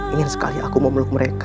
ingin sekali aku memeluk mereka